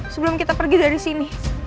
sebelum kita pergi dari sini